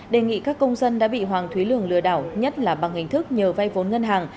đề nghị các công dân đã bị hoàng thúy lường lừa đảo nhất là bằng hình thức nhờ vay vốn ngân hàng